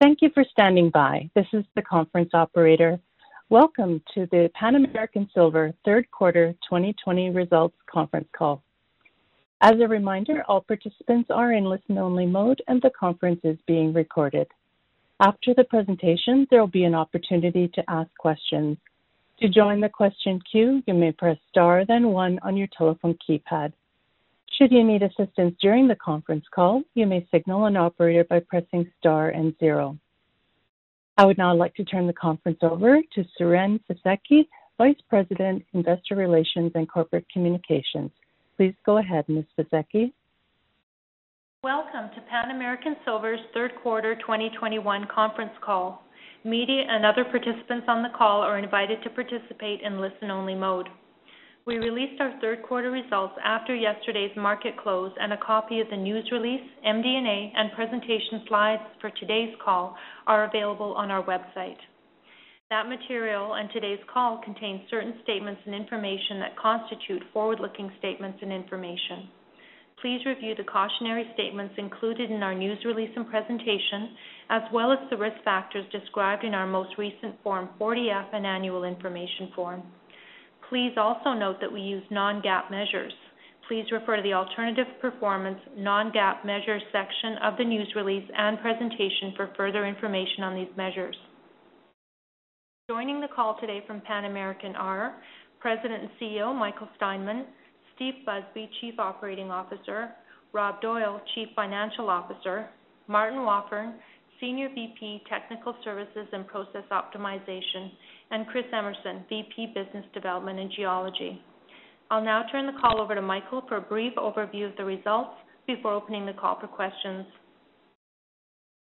Thank you for standing by. This is the conference operator. Welcome to the Pan American Silver Q3 2020 results conference call. As a reminder, all participants are in listen-only mode, and the conference is being recorded. After the presentation, there will be an opportunity to ask questions. To join the question queue, you may press star then one on your telephone keypad. Should you need assistance during the conference call, you may signal an operator by pressing star and zero. I would now like to turn the conference over to Siren Fisekci, Vice President, Investor Relations and Corporate Communications. Please go ahead, Ms. Fisekci. Welcome to Pan American Silver's Q3 2021 conference call. Media and other participants on the call are invited to participate in listen-only mode. We released our Q3 results after yesterday's market close, and a copy of the news release, MD&A, and presentation sl ides for today's call are available on our website. That material on today's call contains certain statements and information that constitute forward-looking statements and information. Please review the cautionary statements included in our news release and presentation, as well as the risk factors described in our most recent Form 40-F and annual information form. Please also note that we use non-GAAP measures. Please refer to the alternative performance non-GAAP measures section of the news release and presentation for further information on these measures. Joining the call today from Pan American are President and CEO Rob Doyle, Steve Busby, Chief Operating Officer, Rob Doyle, Chief Financial Officer, Martin Wafforn, Senior VP, Technical Services and Process Optimization, and Chris Emerson, VP, Business Development and Geology. I'll now turn the call over to Michael for a brief overview of the results before opening the call for questions.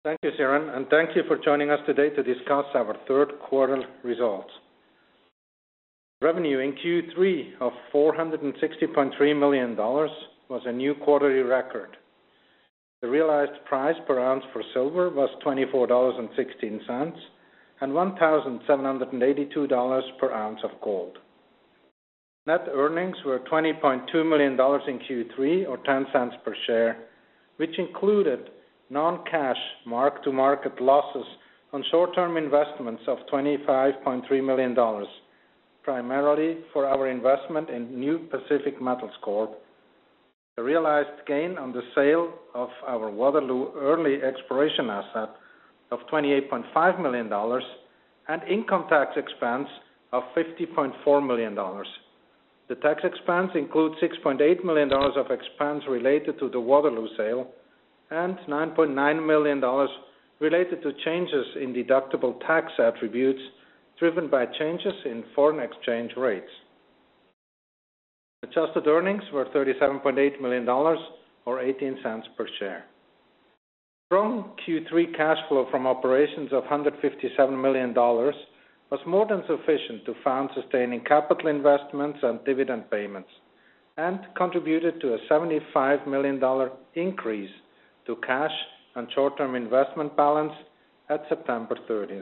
Thank you, Siren, and thank you for joining us today to discuss our Q3 results. Revenue in Q3 of $460.3 million was a new quarterly record. The realized price per ounce for silver was $24.16, and $1,782 per ounce of gold. Net earnings were $20.2 million in Q3 or $0.10 per share, which included non-cash mark-to-market losses on short-term investments of $25.3 million, primarily for our investment in New Pacific Metals Corp. The realized gain on the sale of our Waterloo early exploration asset of $28.5 million and income tax expense of $50.4 million. The tax expense includes $6.8 million of expense related to the Waterloo sale and $9.9 million related to changes in deductible tax attributes driven by changes in foreign exchange rates. Adjusted earnings were $37.8 million or 18 cents per share. Strong Q3 cash flow from operations of $157 million was more than sufficient to fund sustaining capital investments and dividend payments and contributed to a $75 million increase to cash and short-term investment balance at September 30.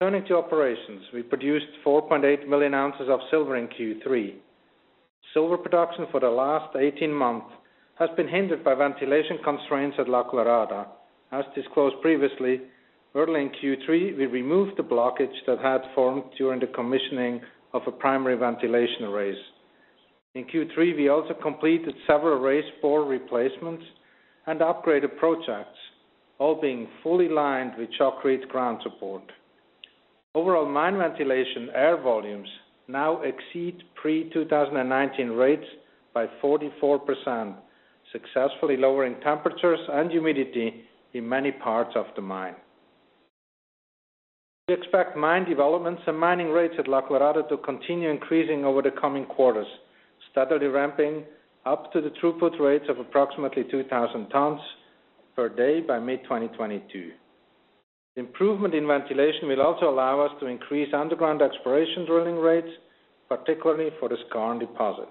Turning to operations, we produced 4.8 million ounces of silver in Q3. Silver production for the last 18 months has been hindered by ventilation constraints at La Colorada. As disclosed previously, early in Q3, we removed the blockage that had formed during the commissioning of a primary ventilation raise. In Q3, we also completed several raise bore replacements and upgraded projects, all being fully lined with shotcrete ground support. Overall, mine ventilation air volumes now exceed pre-2019 rates by 44%, successfully lowering temperatures and humidity in many parts of the mine. We expect mine developments and mining rates at La Colorado to continue increasing over the coming quarters, steadily ramping up to the throughput rates of approximately 2,000 tons per day by mid-2022. Improvement in ventilation will also allow us to increase underground exploration drilling rates, particularly for the skarn deposit.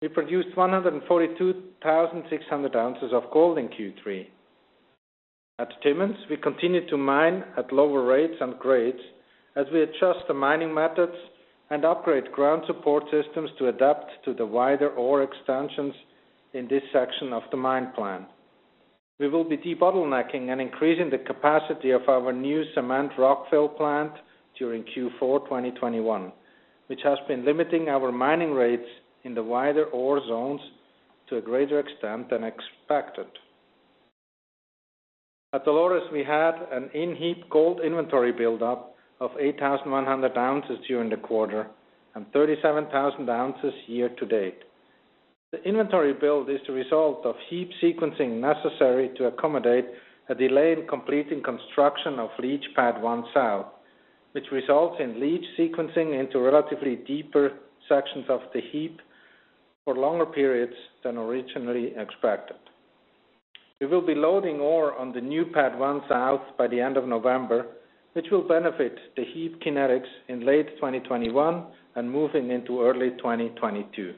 We produced 142,600 ounces of gold in Q3. At Timmins, we continue to mine at lower rates and grades as we adjust the mining methods and upgrade ground support systems to adapt to the wider ore extensions in this section of the mine plan. We will be debottlenecking and increasing the capacity of our new cemented rockfill plant during Q4 2021, which has been limiting our mining rates in the wider ore zones to a greater extent than expected. At Dolores, we had an in-heap gold inventory buildup of 8,100 ounces during the quarter and 37,000 ounces year to date. The inventory build is the result of heap sequencing necessary to accommodate a delay in completing construction of leach pad 1 south, which results in leach sequencing into relatively deeper sections of the heap for longer periods than originally expected. We will be loading ore on the new pad one south by the end of November, which will benefit the heap kinetics in late 2021 and moving into early 2022.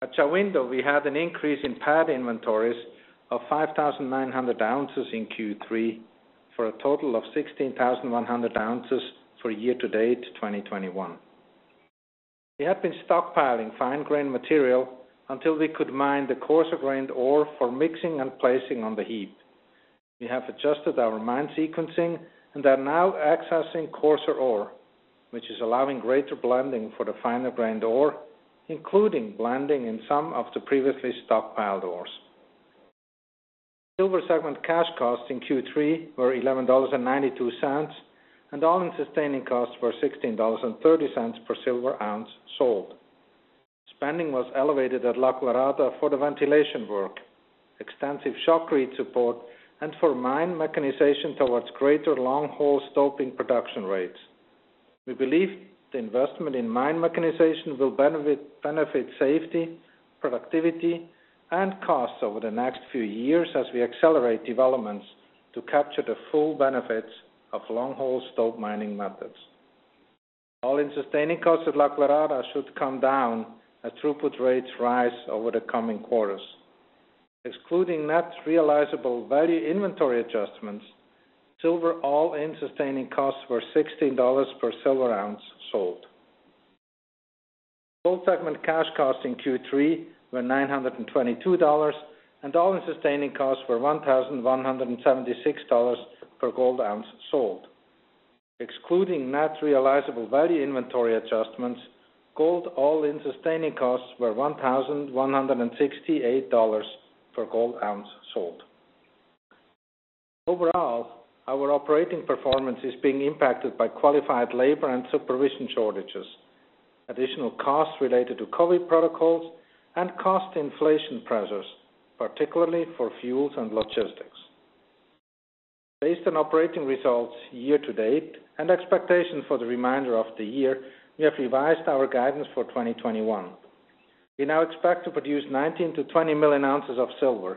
At Shahuindo, we had an increase in pad inventories of 5,900 ounces in Q3 for a total of 16,100 ounces for year to date, 2021. We have been stockpiling fine grain material until we could mine the coarser grained ore for mixing and placing on the heap. We have adjusted our mine sequencing and are now accessing coarser ore, which is allowing greater blending for the finer grained ore, including blending in some of the previously stockpiled ores. Silver segment cash costs in Q3 were $11.92, and all-in sustaining costs were $16.30 per silver ounce sold. Spending was elevated at La Colorado for the ventilation work, extensive shotcrete support, and for mine mechanization towards greater longhole stoping production rates. We believe the investment in mine mechanization will benefit safety, productivity, and costs over the next few years as we accelerate developments to capture the full benefits of longhole stope mining methods. All-in sustaining costs at La Colorado should come down as throughput rates rise over the coming quarters. Excluding net realizable value inventory adjustments, silver all-in sustaining costs were $16 per silver ounce sold. Gold segment cash costs in Q3 were $922, and all-in sustaining costs were $1,176 per gold ounce sold. Excluding net realizable value inventory adjustments, gold all-in sustaining costs were $1,168 per gold ounce sold. Overall, our operating performance is being impacted by qualified labor and supervision shortages, additional costs related to COVID protocols, and cost inflation pressures, particularly for fuels and logistics. Based on operating results year to date and expectations for the remainder of the year, we have revised our guidance for 2021. We now expect to produce 19-20 million ounces of silver.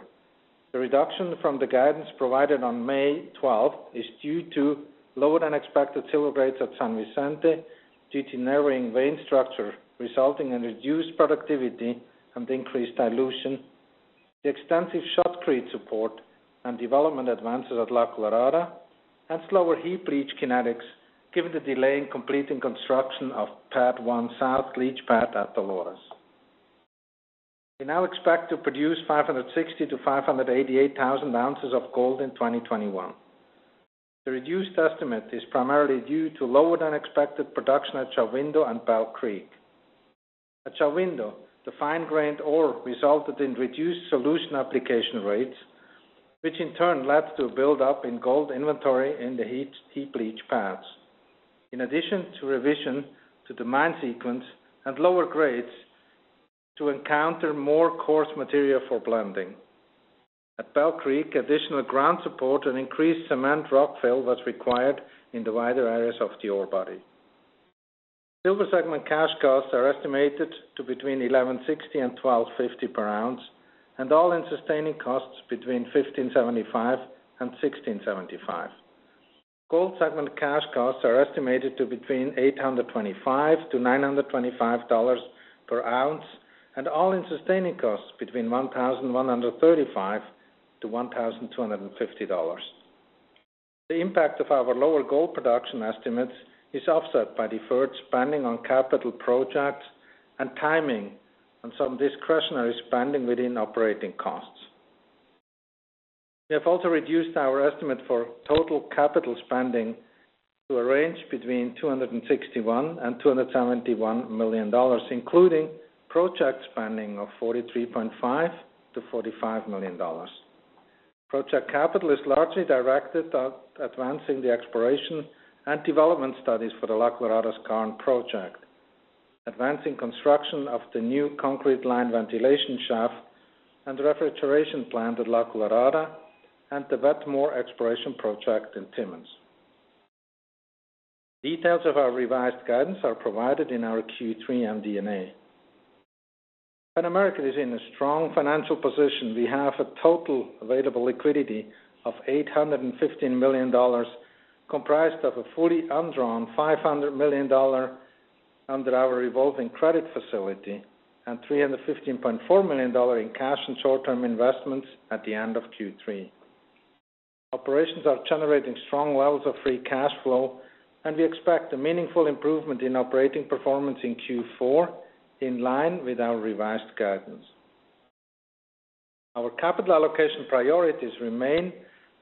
The reduction from the guidance provided on May 12 is due to lower than expected silver grades at San Vicente due to narrowing vein structure, resulting in reduced productivity and increased dilution, the extensive shotcrete support and development advances at La Colorado, and slower heap leach kinetics given the delay in completing construction of leach pad 1 South at Dolores. We now expect to produce 560-588 thousand ounces of gold in 2021. The reduced estimate is primarily due to lower than expected production at Chahuindo and Bell Creek. At Chahuindo, the fine-grained ore resulted in reduced solution application rates, which in turn led to a buildup in gold inventory in the heap leach pads, in addition to revision to the mine sequence and lower grades to encounter more coarse material for blending. At Bell Creek, additional ground support and increased cemented rockfill was required in the wider areas of the ore body. Silver segment cash costs are estimated to between $1,160 and $1,250 per ounce, and all-in sustaining costs between $1,575 and $1,675. Gold segment cash costs are estimated to between $825 to $925 dollars per ounce, and all-in sustaining costs between $1,135 to $1,250 dollars. The impact of our lower gold production estimates is offset by deferred spending on capital projects and timing on some discretionary spending within operating costs. We have also reduced our estimate for total capital spending to a range between $261 million and $271 million, including project spending of $43.5 million-$45 million. Project capital is largely directed at advancing the exploration and development studies for the La Colorado current project, advancing construction of the new concrete lined ventilation shaft and refrigeration plant at La Colorado, and the Wetmore exploration project in Timmins. Details of our revised guidance are provided in our Q3 MD&A. Pan American is in a strong financial position. We have a total available liquidity of $815 million, comprised of a fully undrawn $500 million under our revolving credit facility and $315.4 million in cash and short-term investments at the end of Q3. Operations are generating strong levels of free cash flow, and we expect a meaningful improvement in operating performance in Q4, in line with our revised guidance. Our capital allocation priorities remain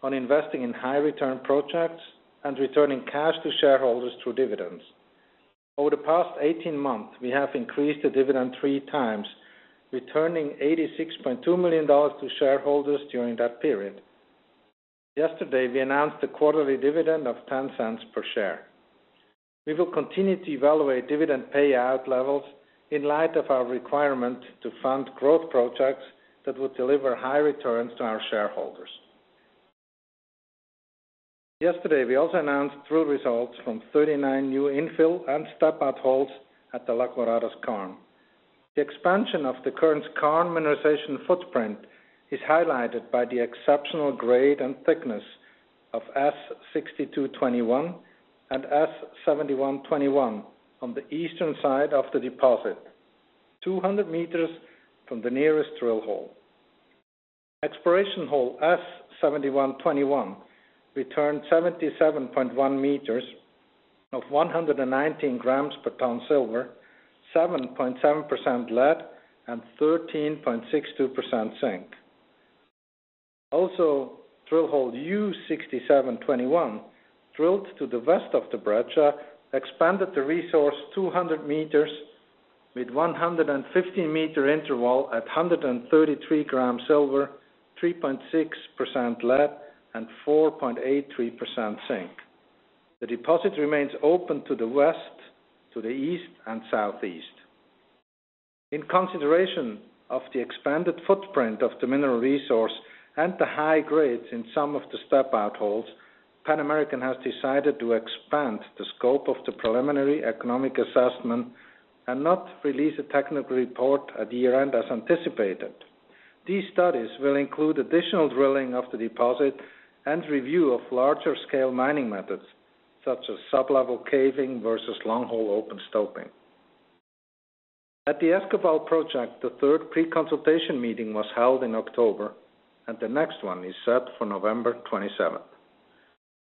on investing in high return projects and returning cash to shareholders through dividends. Over the past 18 months, we have increased the dividend three times, returning $86.2 million to shareholders during that period. Yesterday, we announced a quarterly dividend of $0.10 per share. We will continue to evaluate dividend payout levels in light of our requirement to fund growth projects that will deliver high returns to our shareholders. Yesterday, we also announced drill results from 39 new infill and step-out holes at the La Colorada skarn. The expansion of the current skarn mineralization footprint is highlighted by the exceptional grade and thickness of S 62-21 and S 71-21 on the eastern side of the deposit, 200 meters from the nearest drill hole. Exploration hole S7121 returned 77.1 meters of 119 grams per ton silver, 7.7% lead, and 13.62% zinc. Also, drill hole U6721, drilled to the west of the breccia, expanded the resource 200 meters with 150-meter interval at 133 grams silver, 3.6% lead, and 4.83% zinc. The deposit remains open to the west, to the east, and southeast. In consideration of the expanded footprint of the mineral resource and the high grades in some of the step out holes, Pan American has decided to expand the scope of the preliminary economic assessment and not release a technical report at year-end as anticipated. These studies will include additional drilling of the deposit and review of larger scale mining methods such as sublevel caving versus longhole open stoping. At the Escobal project, the third pre-consultation meeting was held in October, and the next one is set for November 27th.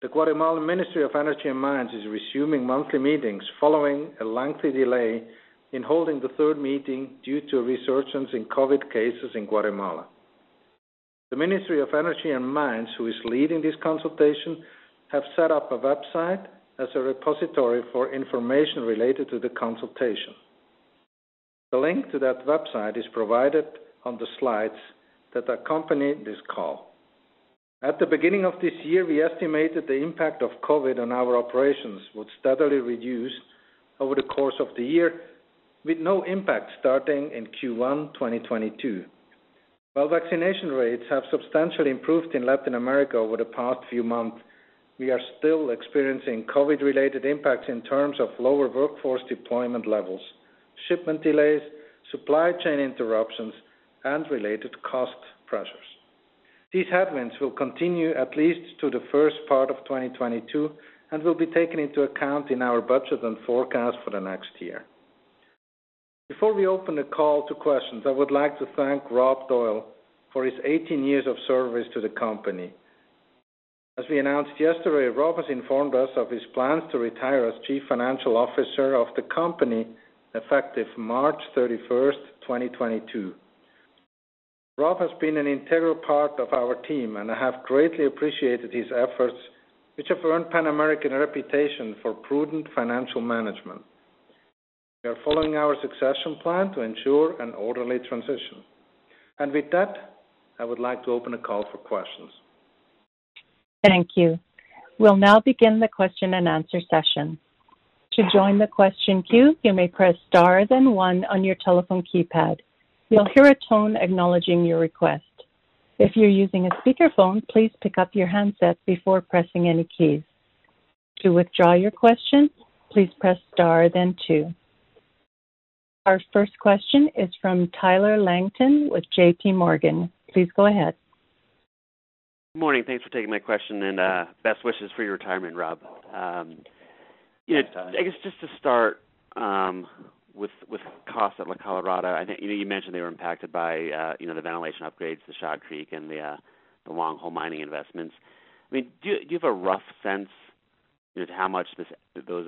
The Guatemalan Ministry of Energy and Mines is resuming monthly meetings following a lengthy delay in holding the third meeting due to a resurgence in COVID cases in Guatemala. The Ministry of Energy and Mines, who is leading this consultation, have set up a website as a repository for information related to the consultation. The link to that website is provided on the slides that accompany this call. At the beginning of this year, we estimated the impact of COVID on our operations would steadily reduce over the course of the year, with no impact starting in Q1 2022. While vaccination rates have substantially improved in Latin America over the past few months, we are still experiencing COVID-related impacts in terms of lower workforce deployment levels, shipment delays, supply chain interruptions, and related cost pressures. These headwinds will continue at least to the first part of 2022, and will be taken into account in our budget and forecast for the next year. Before we open the call to questions, I would like to thank Rob Doyle for his 18 years of service to the company. As we announced yesterday, Rob has informed us of his plans to retire as Chief Financial Officer of the company effective March 31, 2022. Rob has been an integral part of our team, and I have greatly appreciated his efforts, which have earned Pan American a reputation for prudent financial management. We are following our succession plan to ensure an orderly transition. With that, I would like to open the call for questions. Thank you. We'll now begin the question and answer session. To join the question queue, you may press star then one on your telephone keypad. You'll hear a tone acknowledging your request. If you're using a speakerphone, please pick up your handset before pressing any keys. To withdraw your question, please press star then two. Our first question is from Tyler Langton with JP Morgan. Please go ahead. Morning. Thanks for taking my question and best wishes for your retirement, Rob. You know, I guess just to start with costs at La Colorado. I think you know, you mentioned they were impacted by the ventilation upgrades to Shaft Creek and the long-haul mining investments. I mean, do you have a rough sense as to how much those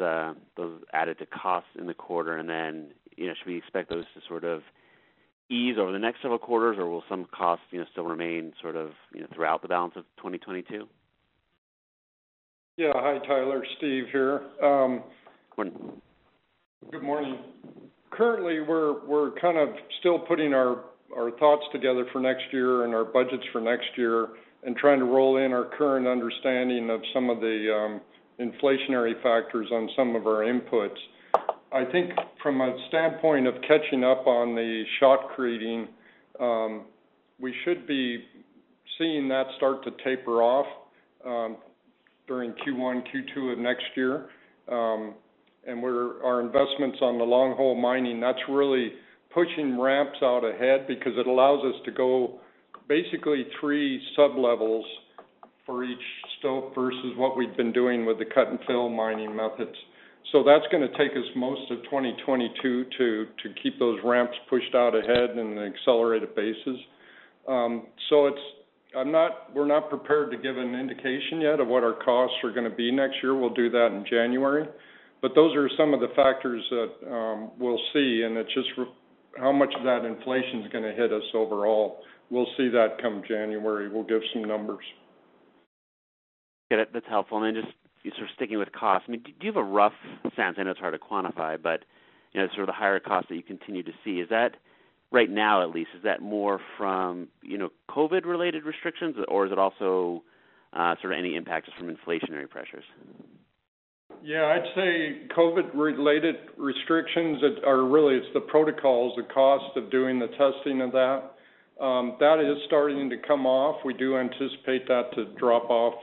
added to costs in the quarter, and then you know, should we expect those to sort of ease over the next several quarters or will some costs still remain sort of throughout the balance of 2022? Yeah. Hi, Tyler. Steve here. Morning. Good morning. Currently, we're kind of still putting our thoughts together for next year and our budgets for next year, and trying to roll in our current understanding of some of the inflationary factors on some of our inputs. I think from a standpoint of catching up on the shotcreting, we should be seeing that start to taper off during Q1, Q2 of next year. Our investments on the long hole mining, that's really pushing ramps out ahead because it allows us to go basically three sublevels for each stope versus what we've been doing with the cut and fill mining methods. That's gonna take us most of 2022 to keep those ramps pushed out ahead in an accelerated basis. We're not prepared to give an indication yet of what our costs are gonna be next year. We'll do that in January. Those are some of the factors that we'll see, and it's just how much of that inflation's gonna hit us overall. We'll see that come January. We'll give some numbers. Get it. That's helpful. Then just sticking with costs. I mean, do you have a rough sense? I know it's hard to quantify, but you know, sort of the higher costs that you continue to see, is that, right now at least, is that more from, you know, COVID-related restrictions, or is it also sort of any impacts from inflationary pressures? Yeah. I'd say COVID-related restrictions that are really the protocols, the cost of doing the testing and that. That is starting to come off. We do anticipate that to drop off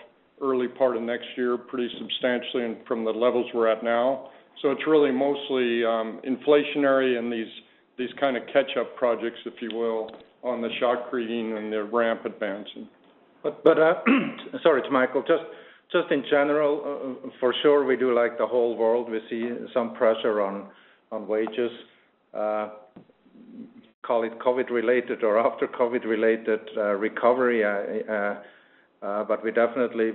early part of next year pretty substantially from the levels we're at now. It's really mostly inflationary and these kind of catch-up projects, if you will, on the shotcreting and the ramp advance. Sorry, it's Michael. Just in general, for sure, we do like the whole world. We see some pressure on wages, call it COVID related or after COVID related recovery, but we definitely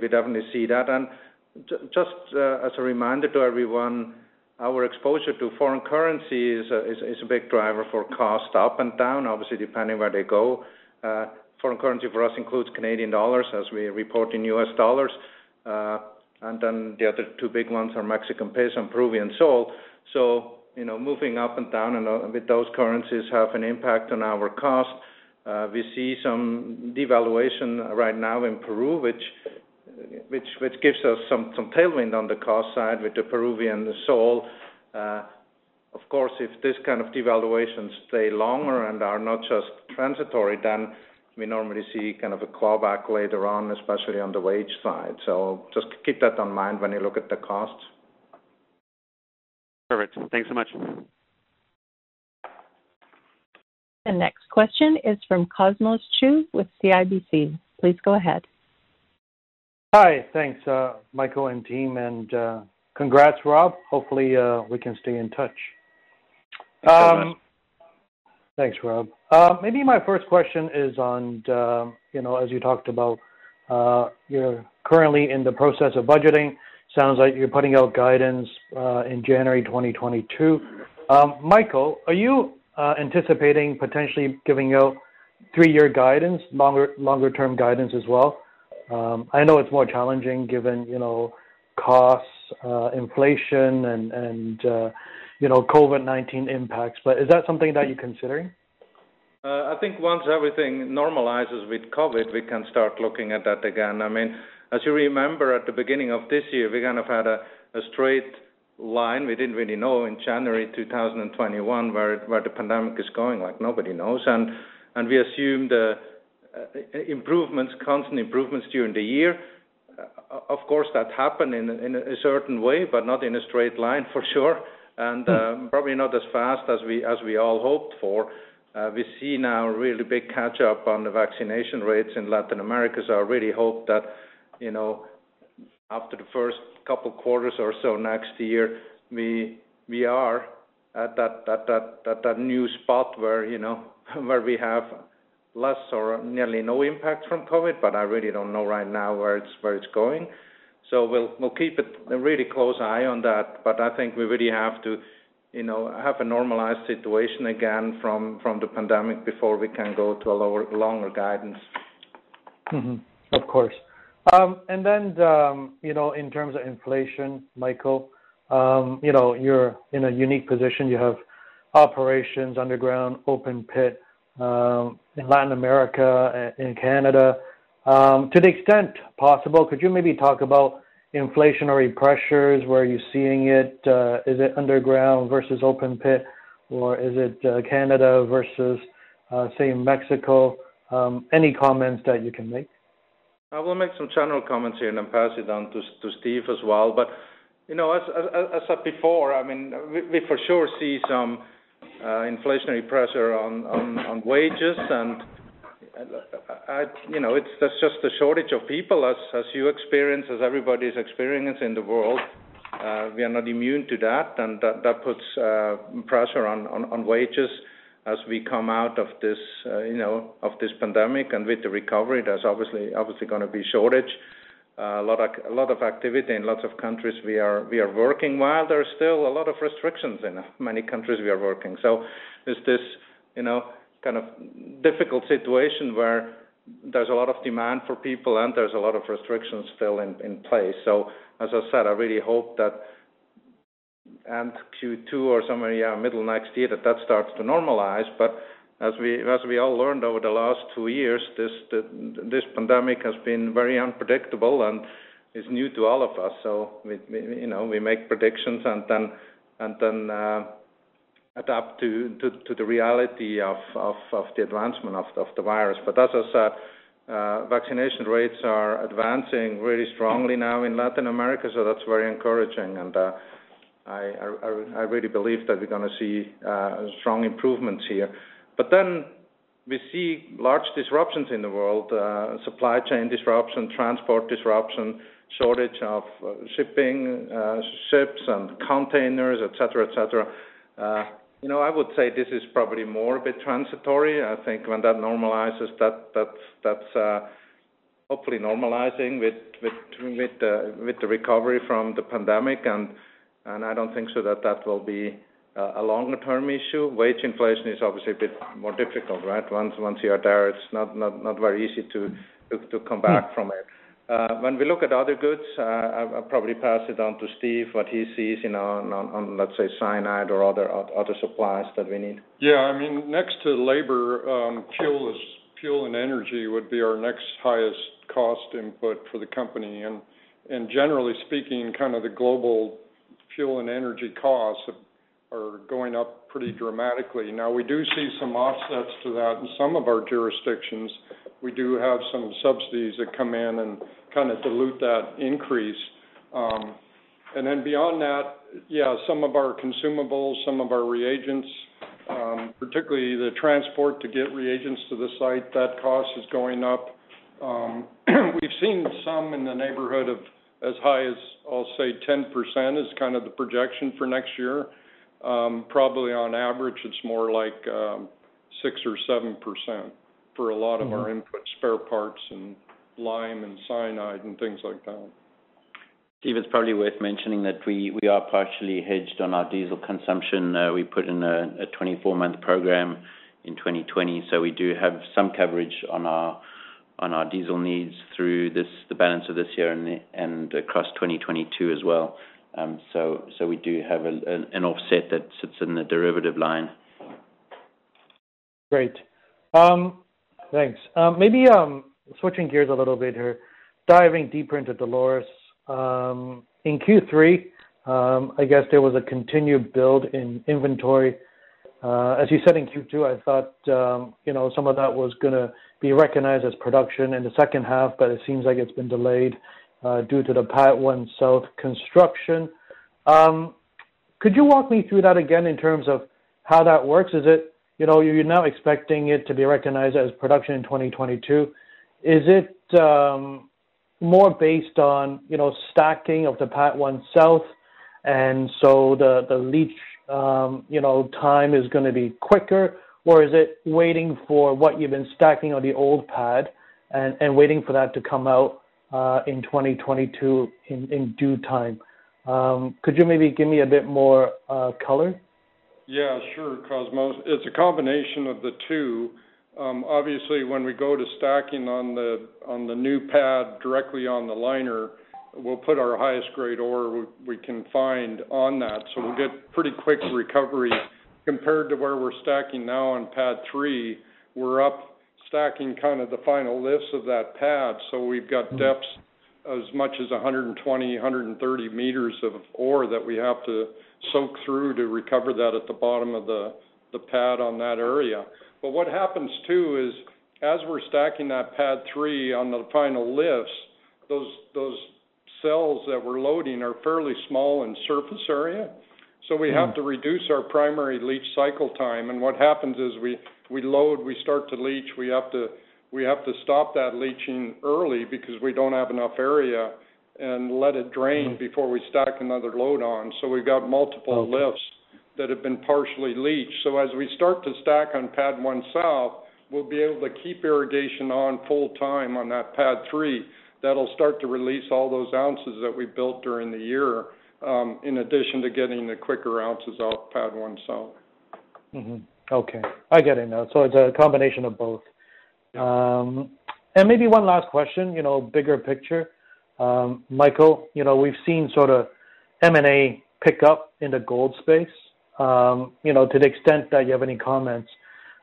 see that. As a reminder to everyone, our exposure to foreign currency is a big driver for cost up and down, obviously, depending where they go. Foreign currency for us includes Canadian dollars as we report in US dollars. Then the other two big ones are Mexican peso and Peruvian sol. You know, moving up and down and with those currencies have an impact on our cost. We see some devaluation right now in Peru, which gives us some tailwind on the cost side with the Peruvian sol. Of course, if this kind of devaluation stay longer and are not just transitory, then we normally see kind of a claw back later on, especially on the wage side. Just keep that in mind when you look at the costs. Perfect. Thanks so much. The next question is from Cosmos Chiu with CIBC. Please go ahead. Hi. Thanks, Michael and team, and, congrats, Rob. Hopefully, we can stay in touch. Best of luck. Thanks, Rob. Maybe my first question is on the, you know, as you talked about, you're currently in the process of budgeting. Sounds like you're putting out guidance in January 2022. Michael, are you anticipating potentially giving out three-year guidance, longer-term guidance as well? I know it's more challenging given, you know, costs, inflation and, you know, COVID-19 impacts. Is that something that you're considering? I think once everything normalizes with COVID, we can start looking at that again. I mean, as you remember at the beginning of this year, we kind of had a straight line. We didn't really know in January 2021 where the pandemic is going, like nobody knows. We assumed improvements, constant improvements during the year. Of course, that happened in a certain way, but not in a straight line for sure. Probably not as fast as we all hoped for. We see now a really big catch up on the vaccination rates in Latin America. I really hope that, you know, after the first couple quarters or so next year, we are at that new spot where, you know, where we have less or nearly no impact from COVID, but I really don't know right now where it's going. We'll keep a really close eye on that. I think we really have to, you know, have a normalized situation again from the pandemic before we can go to a longer guidance. Of course. You know, in terms of inflation, Michael, you know, you're in a unique position. You have operations underground, open pit, in Latin America, in Canada. To the extent possible, could you maybe talk about inflationary pressures? Where are you seeing it? Is it underground versus open pit, or is it Canada versus, say, Mexico? Any comments that you can make. I will make some general comments here and then pass it on to Steve as well. You know, as said before, I mean, we for sure see some inflationary pressure on wages. You know, it's just the shortage of people as you experience, everybody's experience in the world. We are not immune to that. That puts pressure on wages as we come out of this, you know, of this pandemic. With the recovery, there's obviously gonna be shortage. A lot of activity in lots of countries we are working, while there are still a lot of restrictions in many countries we are working. There's this, you know, kind of difficult situation where there's a lot of demand for people and there's a lot of restrictions still in place. As I said, I really hope that end Q2 or somewhere, yeah, middle next year, that starts to normalize. As we all learned over the last two years, this pandemic has been very unpredictable and is new to all of us. We, you know, we make predictions and then adapt to the reality of the advancement of the virus. As I said, vaccination rates are advancing really strongly now in Latin America, so that's very encouraging. I really believe that we're gonna see strong improvements here. We see large disruptions in the world, supply chain disruption, transport disruption, shortage of shipping, ships and containers, et cetera, et cetera. You know, I would say this is probably more a bit transitory. I think when that normalizes, that's hopefully normalizing with the recovery from the pandemic. I don't think so that that will be a longer-term issue. Wage inflation is obviously a bit more difficult, right? Once you are there, it's not very easy to come back from it. When we look at other goods, I'll probably pass it on to Steve, what he sees, you know, on, let's say, cyanide or other suppliers that we need. Yeah. I mean, next to labor, fuel and energy would be our next highest cost input for the company. Generally speaking, kind of the global fuel and energy costs are going up pretty dramatically. Now, we do see some offsets to that. In some of our jurisdictions, we do have some subsidies that come in and kind of dilute that increase. Then beyond that, yeah, some of our consumables, some of our reagents, particularly the transport to get reagents to the site, that cost is going up. We've seen some in the neighborhood of as high as, I'll say 10% is kind of the projection for next year. Probably on average, it's more like 6% or 7% for a lot of our input spare parts and lime and cyanide and things like that. Steve, it's probably worth mentioning that we are partially hedged on our diesel consumption. We put in a 24-month program in 2020, so we do have some coverage on our diesel needs through the balance of this year and across 2022 as well. We do have an offset that sits in the derivative line. Great. Thanks. Maybe switching gears a little bit here, diving deeper into Dolores. In Q3, I guess there was a continued build in inventory. As you said in Q2, I thought, you know, some of that was gonna be recognized as production in the second half, but it seems like it's been delayed due to the leach pad 1 south construction. Could you walk me through that again in terms of how that works? Is it, you know, you're now expecting it to be recognized as production in 2022? Is it more based on, you know, stacking of the leach pad 1 south, and so the leach time is gonna be quicker? Is it waiting for what you've been stacking on the old pad and waiting for that to come out in 2022 in due time? Could you maybe give me a bit more color? Yeah, sure, Cosmos. It's a combination of the two. Obviously, when we go to stacking on the new pad directly on the liner, we'll put our highest grade ore we can find on that. So we'll get pretty quick recovery compared to where we're stacking now on Pad Three. We're up stacking kind of the final lifts of that pad, so we've got depths as much as 120, 130 meters of ore that we have to soak through to recover that at the bottom of the pad on that area. What happens, too, is, as we're stacking that Pad Three on the final lifts, those cells that we're loading are fairly small in surface area. We have to reduce our primary leach cycle time. What happens is we load, we start to leach. We have to stop that leaching early because we don't have enough area and let it drain before we stack another load on. We've got multiple lifts that have been partially leached. As we start to stack on Pad 1 South, we'll be able to keep irrigation on full time on that Pad 3. That'll start to release all those ounces that we built during the year, in addition to getting the quicker ounces off Pad 1 South. Okay. I get it now. It's a combination of both. Maybe one last question, you know, bigger picture. Michael, you know, we've seen sort of M&A pick up in the gold space. You know, to the extent that you have any comments,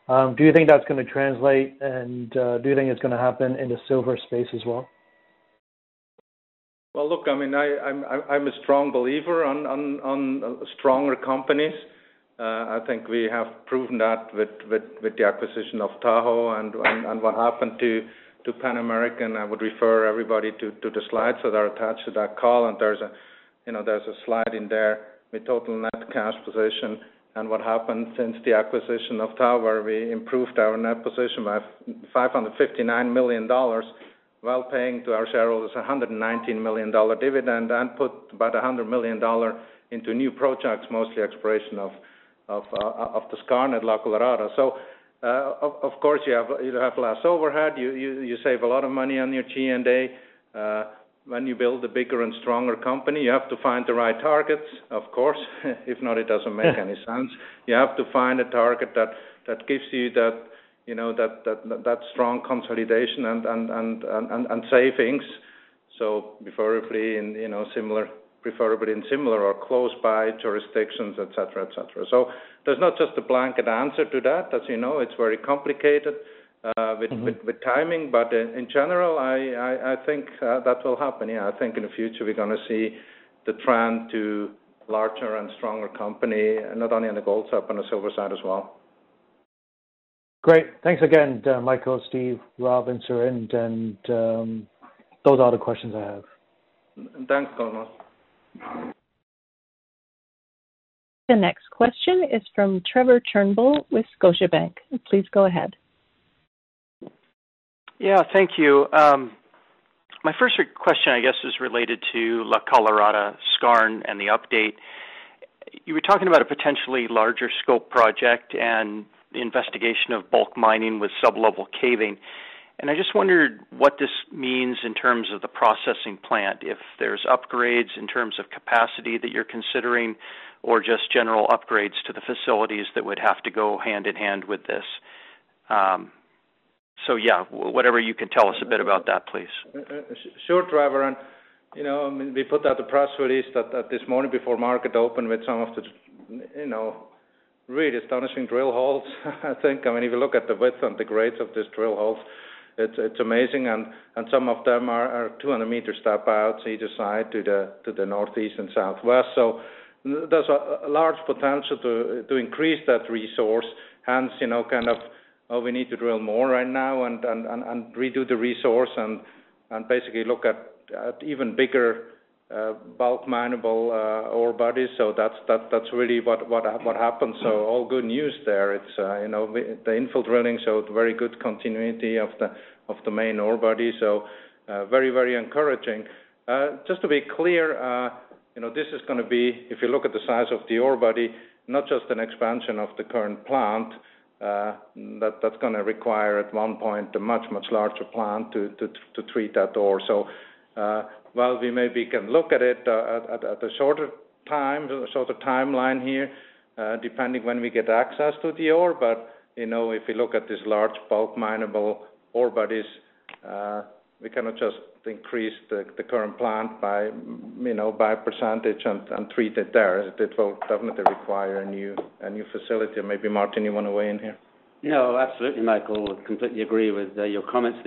do you think that's gonna translate and do you think it's gonna happen in the silver space as well? Well, look, I mean, I'm a strong believer in stronger companies. I think we have proven that with the acquisition of Tahoe and what happened to Pan American. I would refer everybody to the slides that are attached to that call. There's a, you know, there's a slide in there with total net cash position and what happened since the acquisition of Tahoe, where we improved our net position by $559 million while paying to our shareholders $119 million dividend and put about $100 million into new projects, mostly exploration of the skarn at La Colorado. Of course, you have less overhead. You save a lot of money on your G&A. When you build a bigger and stronger company, you have to find the right targets, of course. If not, it doesn't make any sense. You have to find a target that gives you that, you know, that strong consolidation and savings. So preferably in, you know, similar or close by jurisdictions, et cetera, et cetera. So there's not just a blanket answer to that. As you know, it's very complicated. Mm-hmm ...with timing. In general, I think that will happen. Yeah. I think in the future we're gonna see the trend to larger and stronger company, not only on the gold side, but on the silver side as well. Great. Thanks again, Michael, Steve, Rob, and Siren. Those are all the questions I have. Thanks, Cosmos. The next question is from Trevor Turnbull with Scotiabank. Please go ahead. Yeah. Thank you. My first question, I guess, is related to La Colorado skarn and the update. You were talking about a potentially larger scope project and the investigation of bulk mining with sublevel caving. I just wondered what this means in terms of the processing plant, if there's upgrades in terms of capacity that you're considering or just general upgrades to the facilities that would have to go hand in hand with this. Whatever you can tell us a bit about that, please. Sure, Trevor. You know, I mean, we put out the press release that this morning before market open with some of the, you know, really astonishing drill holes, I think. I mean, if you look at the width and the grades of these drill holes, it's amazing. Some of them are 200-meter step-outs either side to the northeast and southwest. There's a large potential to increase that resource. Hence, you know, we need to drill more right now and redo the resource and basically look at even bigger bulk mineable ore bodies. That's really what happened. All good news there. It's, you know, the infill drilling showed very good continuity of the main ore body. Very encouraging. Just to be clear, you know, this is gonna be, if you look at the size of the ore body, not just an expansion of the current plant, that's gonna require at one point a much larger plant to treat that ore. While we maybe can look at it, at the shorter time, shorter timeline here, depending when we get access to the ore. You know, if you look at this large bulk mineable ore bodies, we cannot just increase the current plant by, you know, by percentage and treat it there. It will definitely require a new facility. Maybe Martin, you wanna weigh in here? No, absolutely, Michael, completely agree with your comments.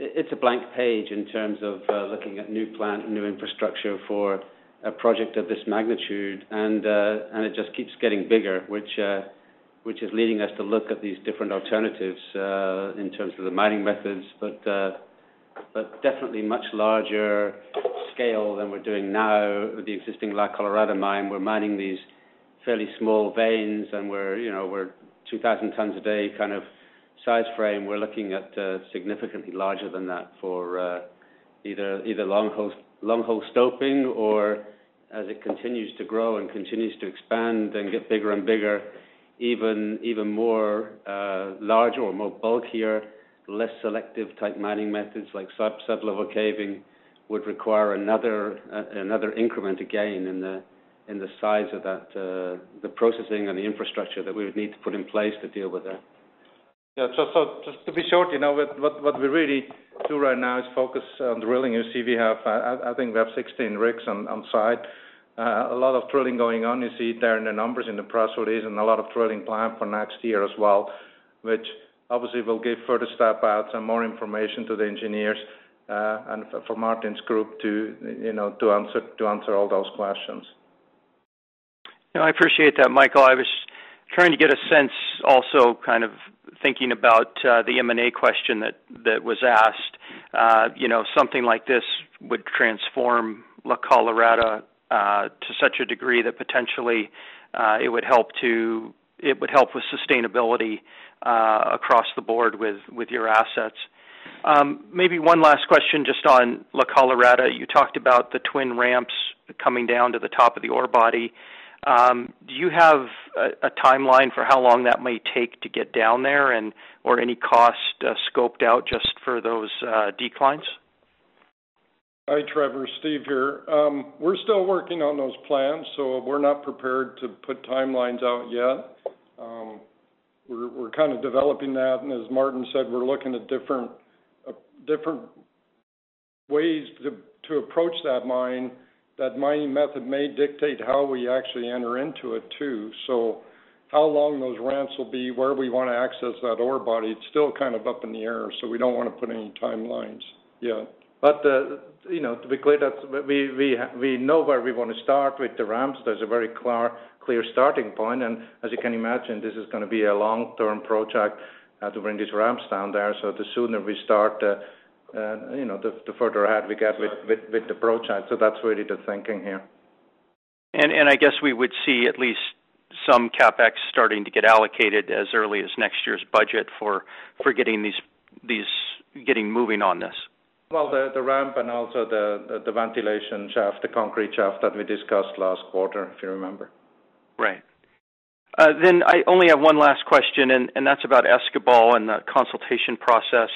It's a blank page in terms of looking at new plant, new infrastructure for a project of this magnitude. It just keeps getting bigger, which is leading us to look at these different alternatives in terms of the mining methods. Definitely much larger scale than we're doing now with the existing La Colorado mine. We're mining these fairly small veins, and you know, we're 2,000 tons a day kind of size frame. We're looking at significantly larger than that for either longhole stoping, or as it continues to grow and continues to expand and get bigger and bigger, even more larger or more bulkier, less selective type mining methods like sublevel caving would require another increment again in the size of that, the processing and the infrastructure that we would need to put in place to deal with that. To be short, you know, what we really do right now is focus on drilling. You see, I think we have 16 rigs on site. A lot of drilling going on. You see it there in the numbers in the press release and a lot of drilling planned for next year as well, which obviously will give further step outs and more information to the engineers, and for Martin's group to, you know, to answer all those questions. No, I appreciate that, Michael. I was trying to get a sense also kind of thinking about the M&A question that was asked. You know, something like this would transform La Colorado to such a degree that potentially it would help with sustainability across the board with your assets. Maybe one last question just on La Colorado. You talked about the twin ramps coming down to the top of the ore body. Do you have a timeline for how long that may take to get down there and or any cost scoped out just for those declines? Hi, Trevor. Steve here. We're still working on those plans, so we're not prepared to put timelines out yet. We're kind of developing that, and as Martin said, we're looking at different ways to approach that mine. That mining method may dictate how we actually enter into it too. How long those ramps will be, where we wanna access that ore body, it's still kind of up in the air, so we don't wanna put any timelines yet. You know, to be clear, that we know where we wanna start with the ramps. There's a very clear starting point, and as you can imagine, this is gonna be a long-term project to bring these ramps down there. The sooner we start, you know, the further ahead we get with the project. That's really the thinking here. I guess we would see at least some CapEx starting to get allocated as early as next year's budget for getting moving on this. Well, the ramp and also the ventilation shaft, the concrete shaft that we discussed last quarter, if you remember. Right. I only have one last question, and that's about Escobal and the consultation process.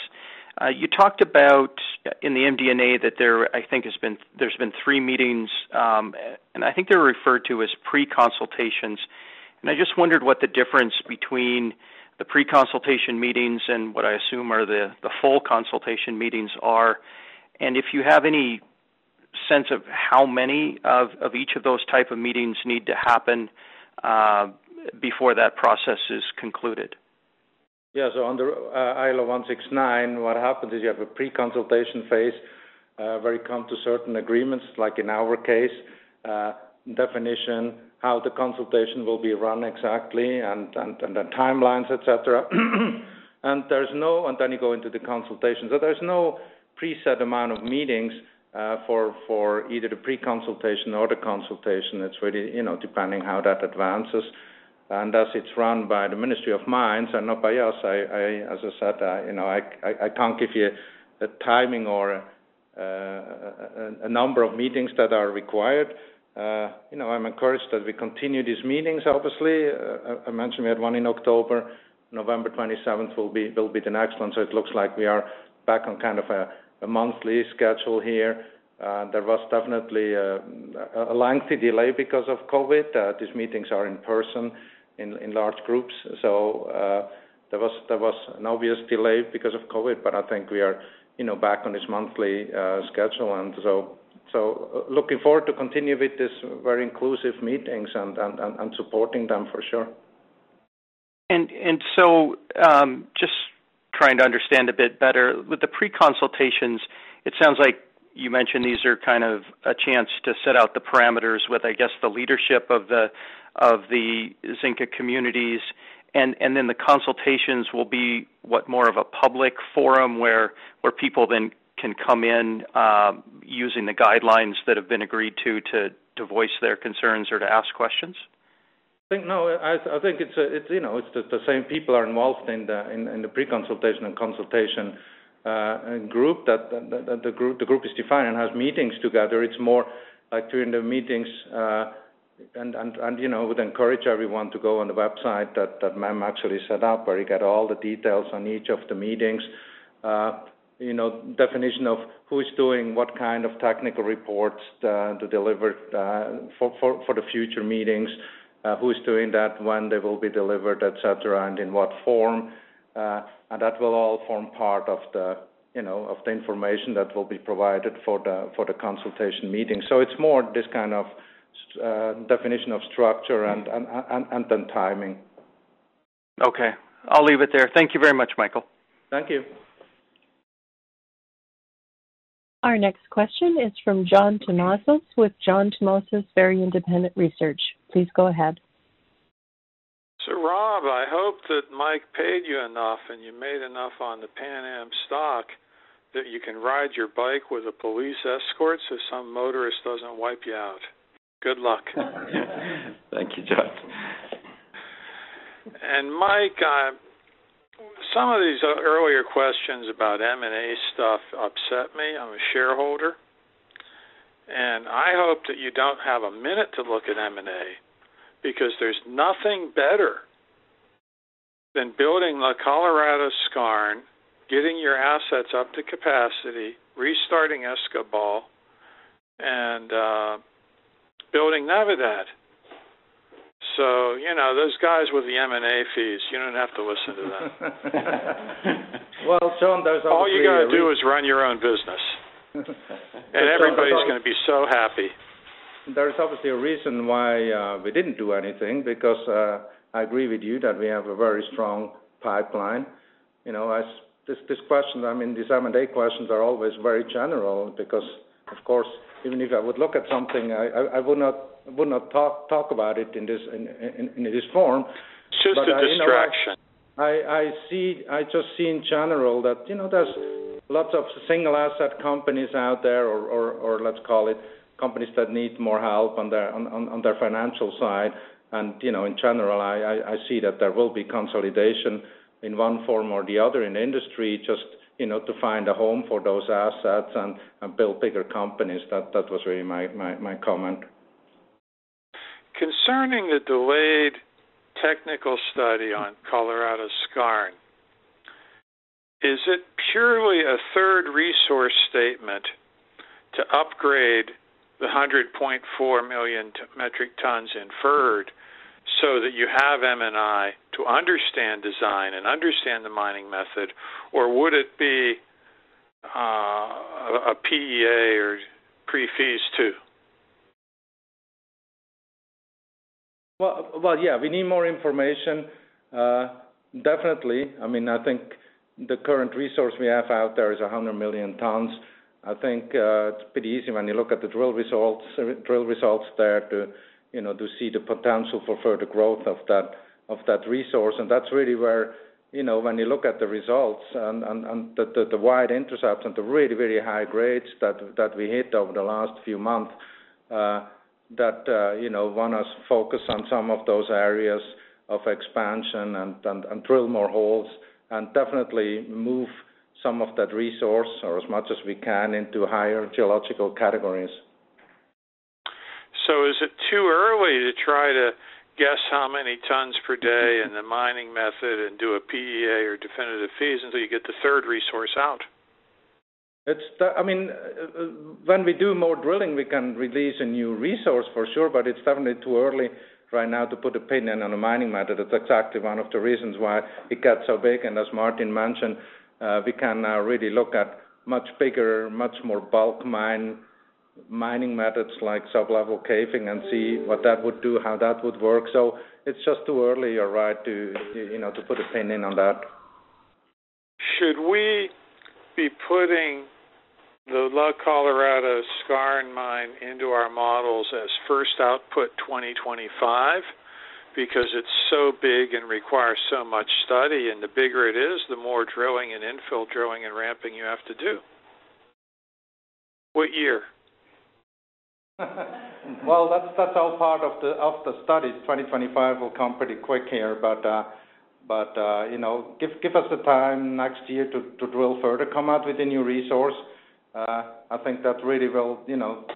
You talked about in the MD&A that there's been three meetings, and I think they're referred to as pre-consultations. I just wondered what the difference between the pre-consultation meetings and what I assume are the full consultation meetings are, and if you have any sense of how many of each of those type of meetings need to happen before that process is concluded. Yeah. Under ILO 169, what happens is you have a pre-consultation phase, where you come to certain agreements, like in our case, definition, how the consultation will be run exactly and timelines, et cetera. You go into the consultation. There's no preset amount of meetings for either the pre-consultation or the consultation. It's really, you know, depending how that advances. As it's run by the Ministry of Energy and Mines and not by us, as I said, you know, I can't give you a timing or a number of meetings that are required. You know, I'm encouraged that we continue these meetings, obviously. I mentioned we had one in October. November twenty-seventh will be the next one, so it looks like we are back on kind of a monthly schedule here. There was definitely a lengthy delay because of COVID. These meetings are in person, in large groups. There was an obvious delay because of COVID, but I think we are, you know, back on this monthly schedule. Looking forward to continue with these very inclusive meetings and supporting them for sure. Trying to understand a bit better. With the pre-consultations, it sounds like you mentioned these are kind of a chance to set out the parameters with, I guess, the leadership of the Xinka communities. Then the consultations will be what more of a public forum where people then can come in, using the guidelines that have been agreed to voice their concerns or to ask questions? I think no. I think it's, you know, it's the same people are involved in the pre-consultation and consultation group that the group is defined and has meetings together. It's more like during the meetings, and, you know, would encourage everyone to go on the website that MEM actually set up, where you get all the details on each of the meetings. You know, definition of who is doing what kind of technical reports to deliver for the future meetings, who's doing that, when they will be delivered, et cetera, and in what form. And that will all form part of the, you know, of the information that will be provided for the consultation meeting. It's more this kind of definition of structure and then timing. Okay. I'll leave it there. Thank you very much, Michael. Thank you. Our next question is from John Tumazos with John Tumazos Very Independent Research. Please go ahead. Rob, I hope that Mike paid you enough and you made enough on the Pan Am stock that you can ride your bike with a police escort, so some motorist doesn't wipe you out. Good luck. Thank you, John. Mike, some of these earlier questions about M&A stuff upset me. I'm a shareholder, and I hope that you don't have a minute to look at M&A because there's nothing better than building La Colorada skarn, getting your assets up to capacity, restarting Escobal, and building Navidad. You know, those guys with the M&A fees, you don't have to listen to them. Well, John, there's obviously. All you gotta do is run your own business. Everybody's gonna be so happy. There is obviously a reason why we didn't do anything because I agree with you that we have a very strong pipeline. You know, as this question, I mean, these M&A questions are always very general because, of course, even if I would look at something, I would not talk about it in this form. But you know. It's just a distraction. I see in general that, you know, there's lots of single asset companies out there or let's call it companies that need more help on their financial side. You know, in general, I see that there will be consolidation in one form or the other in the industry just, you know, to find a home for those assets and build bigger companies. That was really my comment. Concerning the delayed technical study on La Colorada skarn, is it purely a third resource statement to upgrade the 100.4 million metric tons inferred so that you have M&I to understand design and understand the mining method, or would it be a PEA or pre-feasibility too? Well, yeah. We need more information, definitely. I mean, I think the current resource we have out there is 100 million tons. I think it's pretty easy when you look at the drill results there to see the potential for further growth of that resource. That's really where, you know, when you look at the results and the wide intercept and the really very high grades that we hit over the last few months, you know, wants us to focus on some of those areas of expansion and drill more holes and definitely move some of that resource or as much as we can into higher geological categories. Is it too early to try to guess how many tons per day and the mining method and do a PEA or definitive feasibility until you get the third resource out? I mean, when we do more drilling, we can release a new resource for sure, but it's definitely too early right now to put a pin in on a mining method. That's exactly one of the reasons why it got so big. As Martin mentioned, we can now really look at much bigger, much more bulk mining methods like sublevel caving and see what that would do, how that would work. It's just too early, all right, to, you know, to put a pin in on that. Should we be putting the La Colorada skarn mine into our models as first output 2025? Because it's so big and requires so much study, and the bigger it is, the more drilling and infill drilling and ramping you have to do. What year? Well, that's all part of the study. 2025 will come pretty quick here. You know, give us the time next year to drill further, come out with a new resource. I think that really will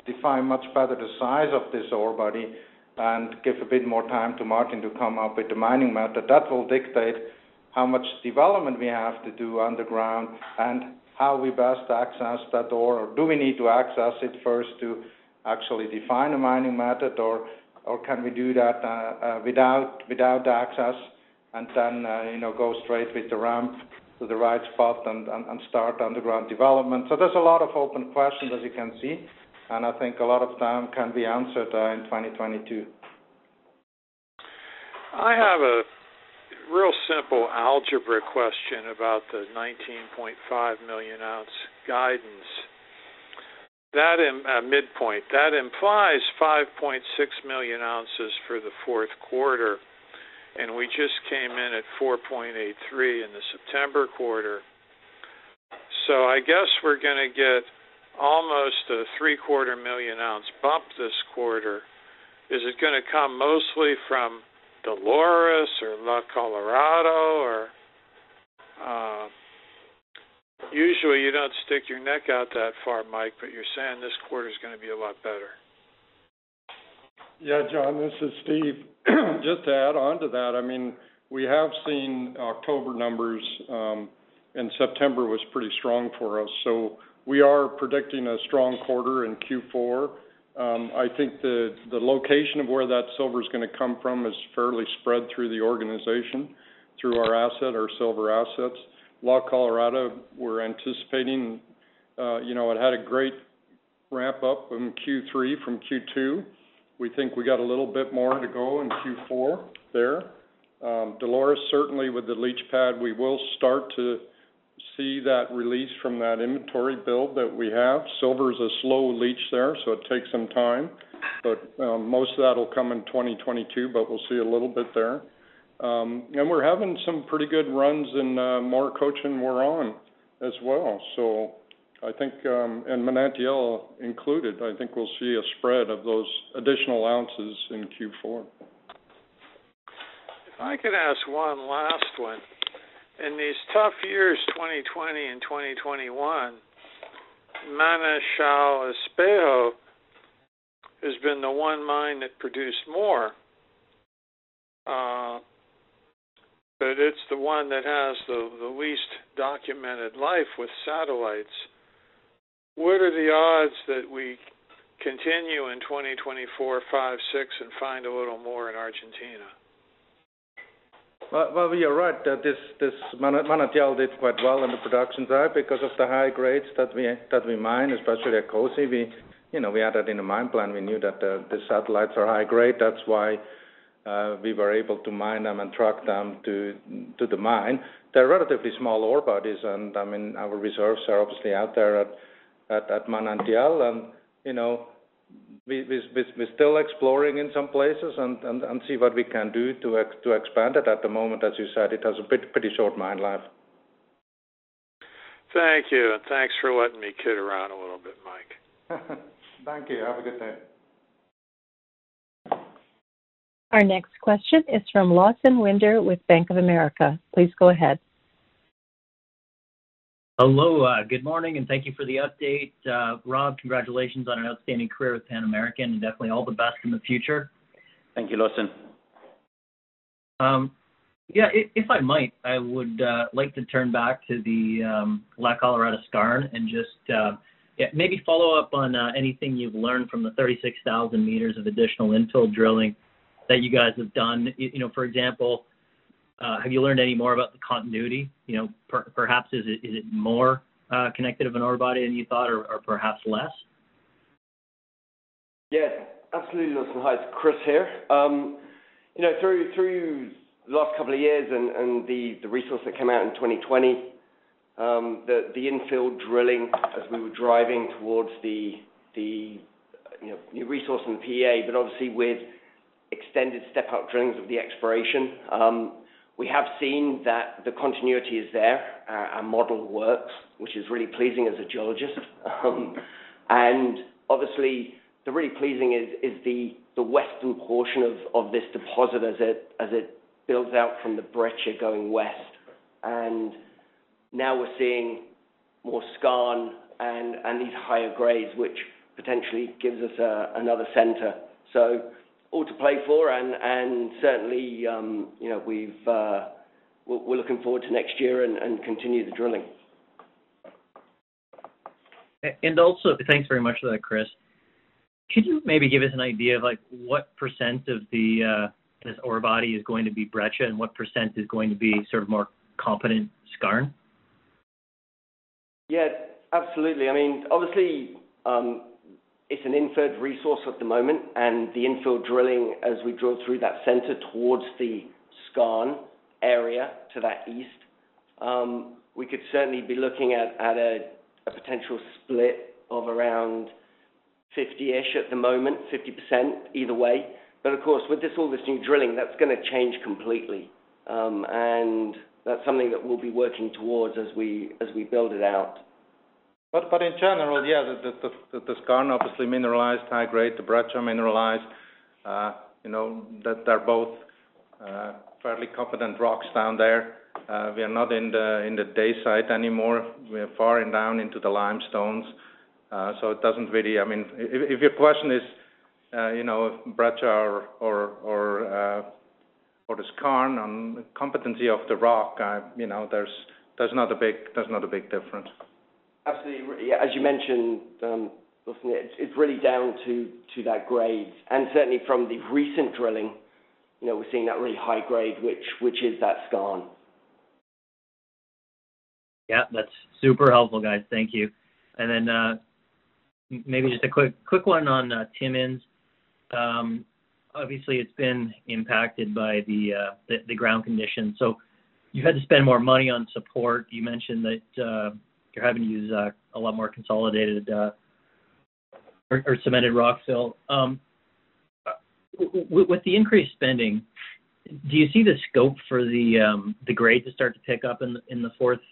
define much better the size of this ore body and give a bit more time to Martin to come up with the mining method. That will dictate how much development we have to do underground and how we best access that ore, or do we need to access it first to actually define a mining method or can we do that without access and then you know, go straight with the ramp to the right spot and start underground development. There's a lot of open questions as you can see, and I think a lot of them can be answered in 2022. I have a real simple algebra question about the 19.5 million ounce guidance. That in midpoint implies 5.6 million ounces for the Q4, and we just came in at 4.83 in the September quarter. I guess we're gonna get almost a Q3 million ounce bump this quarter. Is it gonna come mostly from Dolores or La Colorado? Usually, you don't stick your neck out that far, Mike, but you're saying this quarter is gonna be a lot better. Yeah, John, this is Steve. Just to add on to that, I mean, we have seen October numbers, and September was pretty strong for us. We are predicting a strong quarter in Q4. I think the location of where that silver is gonna come from is fairly spread through the organization, through our asset, our silver assets. La Colorado, we're anticipating, you know, it had a great ramp up in Q3 from Q2. We think we got a little bit more to go in Q4 there. Dolores, certainly with the leach pad, we will start to see that release from that inventory build that we have. Silver is a slow leach there, so it takes some time. Most of that will come in 2022, but we'll see a little bit there. We're having some pretty good runs in Morococha and Huaron as well. I think, and Manantial included, I think we'll see a spread of those additional ounces in Q4. If I could ask one last one. In these tough years, 2020 and 2021, Manantial Espejo has been the one mine that produced more. But it's the one that has the least documented life with satellites. What are the odds that we continue in 2024, 2025, 2026 and find a little more in Argentina? Well, you're right. This Manantial did quite well in the production side because of the high grades that we mine, especially at COSE. You know, we had that in the mine plan. We knew that the satellites are high grade. That's why we were able to mine them and truck them to the mine. They're relatively small ore bodies, and I mean, our reserves are obviously out there at Manantial. You know, we're still exploring in some places and see what we can do to expand it. At the moment, as you said, it has a pretty short mine life. Thank you. Thanks for letting me kid around a little bit, Mike. Thank you. Have a good day. Our next question is from Lawson Winder with Bank of America. Please go ahead. Hello. Good morning, and thank you for the update. Rob, congratulations on an outstanding career with Pan American, and definitely all the best in the future. Thank you, Lawson. Yeah, if I might, I would like to turn back to the La Colorado skarn and just yeah, maybe follow up on anything you've learned from the 36,000 meters of additional infill drilling that you guys have done. You know, for example, have you learned any more about the continuity? You know, perhaps is it, is it more connected of an ore body than you thought or perhaps less? Yes, absolutely, Lawson. Hi, it's Chris here. You know, through the last couple of years and the resource that came out in 2020, the infill drilling as we were driving towards the you know, new resource in the PEA, but obviously with extended step out drillings of the exploration, we have seen that the continuity is there. Our model works, which is really pleasing as a geologist. Obviously, the really pleasing is the western portion of this deposit as it builds out from the breccia going west. Now we're seeing more skarn and these higher grades, which potentially gives us another center. All to play for and certainly you know, we're looking forward to next year and continue the drilling. Thanks very much for that, Chris. Could you maybe give us an idea of, like, what % of this ore body is going to be breccia and what % is going to be sort of more competent skarn? Yeah, absolutely. I mean, obviously, it's an inferred resource at the moment, and the infill drilling as we drill through that center towards the skarn area to the east, we could certainly be looking at a potential split of around 50-ish at the moment, 50% either way. Of course, with all this new drilling, that's gonna change completely. That's something that we'll be working towards as we build it out. In general, yeah, the skarn obviously mineralized high grade, the breccia mineralized, you know, that they're both fairly competent rocks down there. We are not in the dacite anymore. We are far and down into the limestones, so it doesn't really. I mean, if your question is, you know, breccia or the skarn on competency of the rock, you know, there's not a big difference. Absolutely. Yeah. As you mentioned, Lawson, it's really down to that grade. Certainly from the recent drilling, you know, we're seeing that really high grade, which is that skarn. Yeah, that's super helpful, guys. Thank you. Maybe just a quick one on Timmins. Obviously, it's been impacted by the ground conditions, so you had to spend more money on support. You mentioned that you're having to use a lot more consolidated or cemented rockfill. With the increased spending, do you see the scope for the grade to start to pick up in the Q4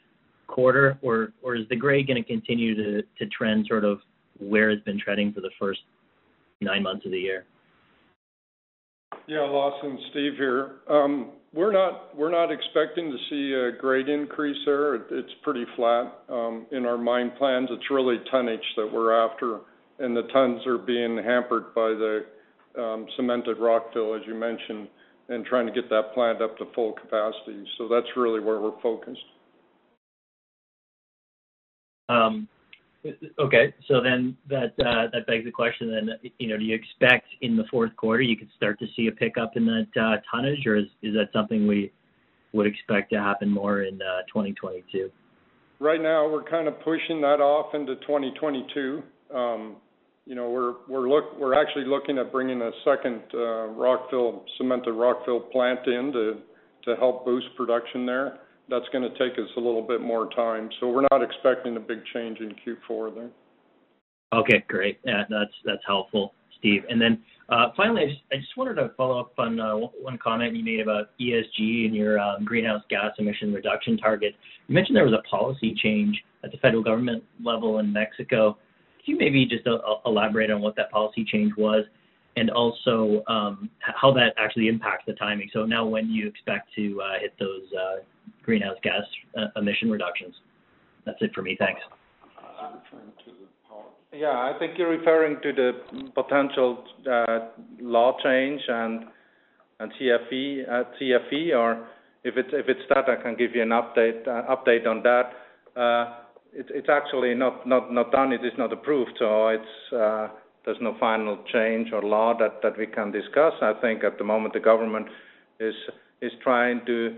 or is the grade gonna continue to trend sort of where it's been trending for the first nine months of the year? Yeah, Lawson, Steve here. We're not expecting to see a great increase there. It's pretty flat in our mine plans. It's really tonnage that we're after, and the tons are being hampered by the cemented rockfill, as you mentioned, and trying to get that plant up to full capacity. That's really where we're focused. That begs the question, you know, do you expect in the Q4 you could start to see a pickup in that tonnage, or is that something we would expect to happen more in 2022? Right now we're kind of pushing that off into 2022. You know, we're actually looking at bringing a second rockfill, cemented rockfill plant in to help boost production there. That's gonna take us a little bit more time. We're not expecting a big change in Q4 there. Okay, great. Yeah, that's helpful, Steve. Finally, I just wanted to follow up on one comment you made about ESG and your greenhouse gas emission reduction target. You mentioned there was a policy change at the federal government level in Mexico. Could you maybe just elaborate on what that policy change was and also how that actually impacts the timing? Now when do you expect to hit those greenhouse gas emission reductions? That's it for me. Thanks. I'll try to. Yeah. I think you're referring to the potential law change and CFE or if it's that, I can give you an update on that. It's actually not done. It is not approved. There's no final change or law that we can discuss. I think at the moment the government is trying to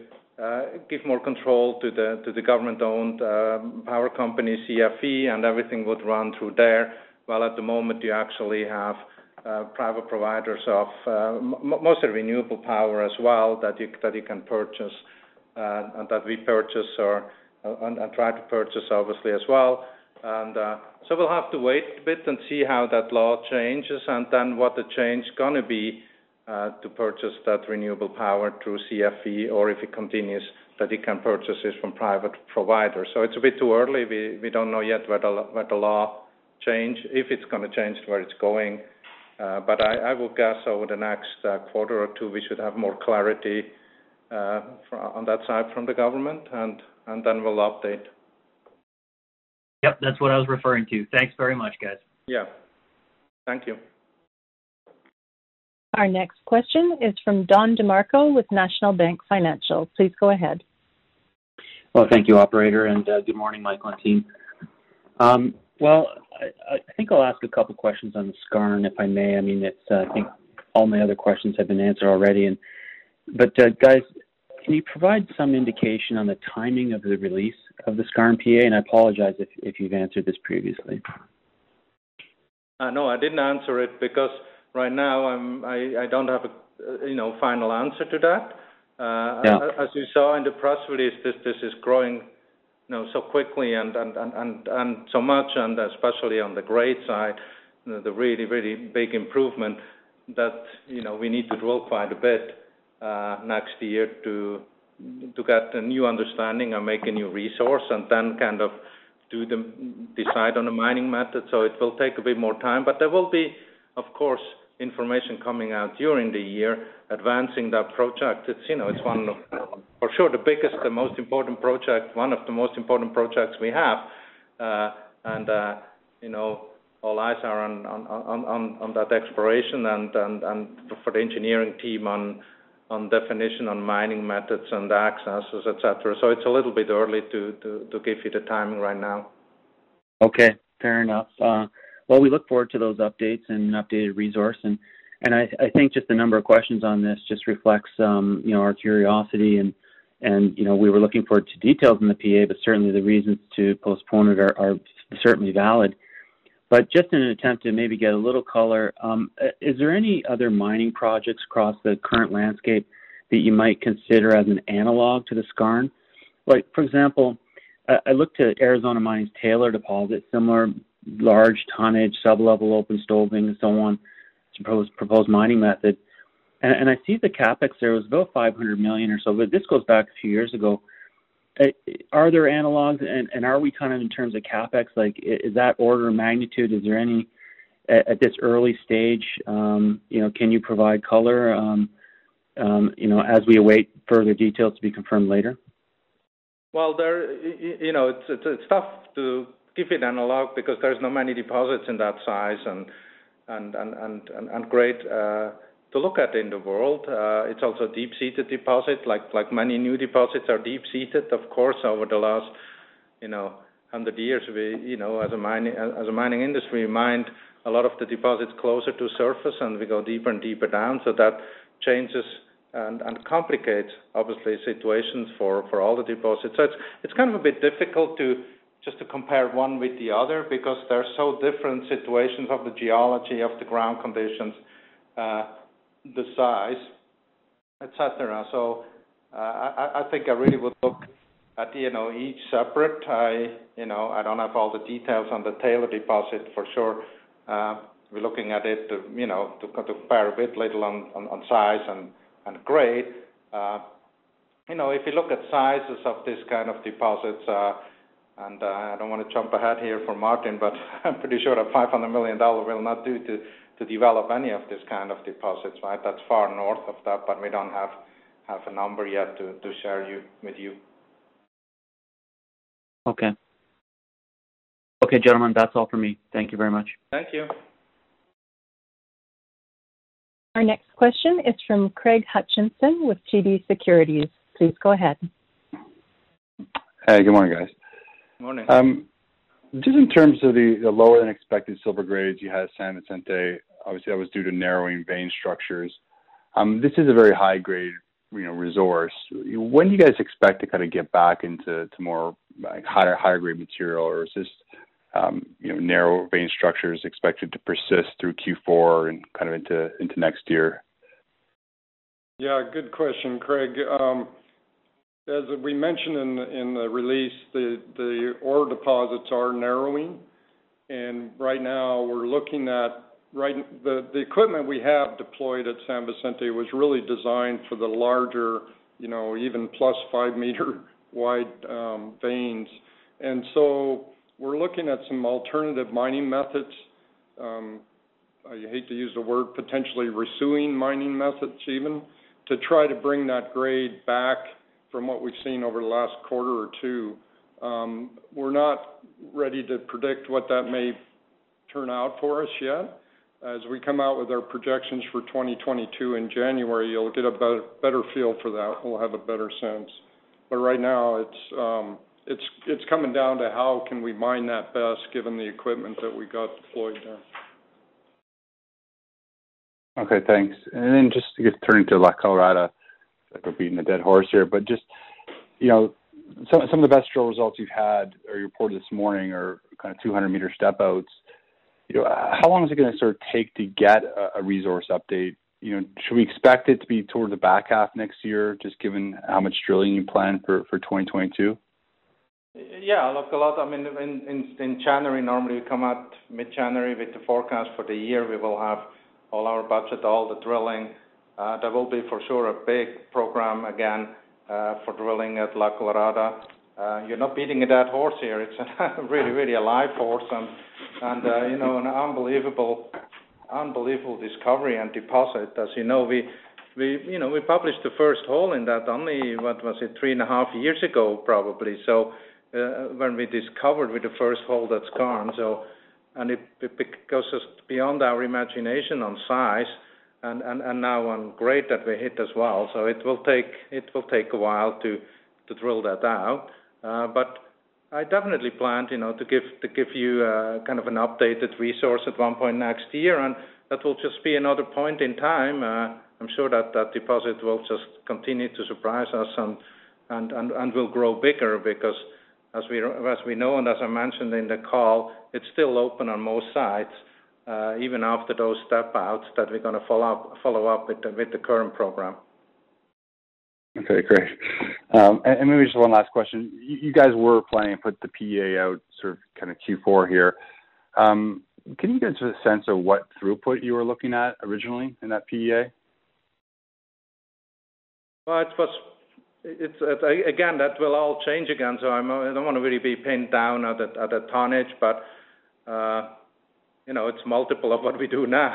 give more control to the government-owned power company, CFE, and everything would run through there. While at the moment you actually have private providers of most are renewable power as well that you can purchase, and that we purchase or try to purchase obviously as well. We'll have to wait a bit and see how that law changes and then what the change gonna be to purchase that renewable power through CFE or if it continues that we can purchase this from private providers. It's a bit too early. We don't know yet what the law change, if it's gonna change where it's going. But I would guess over the next quarter or two, we should have more clarity from that side from the government and then we'll update. Yep. That's what I was referring to. Thanks very much, guys. Yeah. Thank you. Our next question is from Don DeMarco with National Bank Financial. Please go ahead. Well, thank you, operator, and good morning, Mike and team. I think I'll ask a couple questions on Skarn, if I may. I mean, I think all my other questions have been answered already. Guys, can you provide some indication on the timing of the release of the Skarn PA? I apologize if you've answered this previously. No, I didn't answer it because right now I'm, I don't have a, you know, final answer to that. Yeah. As you saw in the press release, this is growing, you know, so quickly and so much, and especially on the grade side, the really big improvement that, you know, we need to drill quite a bit next year to get a new understanding and make a new resource and then kind of decide on a mining method. It will take a bit more time. There will be, of course, information coming out during the year advancing that project. It's, you know, it's one of, for sure, the biggest and most important project, one of the most important projects we have. And you know, all eyes are on that exploration and for the engineering team on definition, on mining methods and accesses, etc. It's a little bit early to give you the timing right now. Okay. Fair enough. We look forward to those updates and an updated resource. I think just the number of questions on this just reflects, you know, our curiosity and, you know, we were looking forward to details in the PA, but certainly the reasons to postpone it are certainly valid. Just in an attempt to maybe get a little color, is there any other mining projects across the current landscape that you might consider as an analog to the Skarn? Like, for example, I looked at Arizona Mining's Taylor deposit, similar large tonnage, sub-level open stoping and so on, proposed mining method. I see the CapEx there was about $500 million or so, but this goes back a few years ago. Are there analogs and are we kind of in terms of CapEx like is that order of magnitude? Is there any, at this early stage, you know, can you provide color, you know, as we await further details to be confirmed later? Well, you know, it's tough to give it analog because there's not many deposits in that size and grade to look at in the world. It's also a deep-seated deposit, like many new deposits are deep-seated. Of course, over the last you know hundred years, you know, as a mining industry, mined a lot of the deposits closer to surface, and we go deeper and deeper down. That changes and complicates obviously situations for all the deposits. It's kind of a bit difficult to just compare one with the other because they're so different situations of the geology, of the ground conditions, the size, et cetera. I think I really would look at you know each separate. You know, I don't have all the details on the Taylor deposit for sure. We're looking at it to, you know, to compare a bit later on size and grade. You know, if you look at sizes of this kind of deposits, I don't wanna jump ahead here for Martin, but I'm pretty sure the $500 million will not do to develop any of these kind of deposits, right? That's far north of that, but we don't have a number yet to share with you. Okay. Okay, gentlemen, that's all for me. Thank you very much. Thank you. Our next question is from Craig Hutchison with TD Securities. Please go ahead. Hey, good morning, guys. Good morning. Just in terms of the lower than expected silver grades you had at San Vicente, obviously that was due to narrowing vein structures. This is a very high grade, you know, resource. When do you guys expect to kinda get back into more like higher grade material or is this, you know, narrow vein structures expected to persist through Q4 and kind of into next year? Yeah, good question, Craig. As we mentioned in the release, the ore deposits are narrowing. Right now we're looking at the equipment we have deployed at San Vicente was really designed for the larger, you know, even plus 5 meter wide veins. We're looking at some alternative mining methods. I hate to use the word potentially pursuing mining methods even to try to bring that grade back from what we've seen over the last quarter or two. We're not ready to predict what that may turn out for us yet. As we come out with our projections for 2022 in January, you'll get a better feel for that. We'll have a better sense. Right now it's coming down to how can we mine that best given the equipment that we got deployed there. Okay, thanks. Just to turn to La Colorado, like we're beating a dead horse here, but just, you know, some of the best drill results you've had or you reported this morning are kind of 200-meter step-outs. You know, how long is it gonna sort of take to get a resource update? You know, should we expect it to be towards the back half next year, just given how much drilling you plan for 2022? Yeah, look, I mean, in January, normally we come out mid-January with the forecast for the year. We will have all our budget, all the drilling. There will be for sure a big program again for drilling at La Colorada. You're not beating a dead horse here. It's a really alive horse and you know, an unbelievable discovery and deposit. As you know, we you know, we published the first hole in that only, what was it? Three and a half years ago probably. When we discovered with the first hole that's gold. It goes just beyond our imagination on size and now on grade that we hit as well. It will take a while to drill that out. I definitely plan, you know, to give you kind of an updated resource at one point next year, and that will just be another point in time. I'm sure that deposit will just continue to surprise us and will grow bigger because as we know, and as I mentioned in the call, it's still open on all sides, even after those step outs that we're gonna follow up with the current program. Okay, great. Maybe just one last question. You guys were planning to put the PEA out sort of kind of Q4 here. Can you give us a sense of what throughput you were looking at originally in that PEA? It's, again, that will all change again, so I'm, I don't wanna really be pinned down at that tonnage. You know, it's multiple of what we do now.